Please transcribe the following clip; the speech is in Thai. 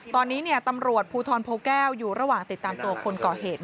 ตอนนี้ตำรวจภูทรโพแก้วอยู่ระหว่างติดตามตัวคนก่อเหตุ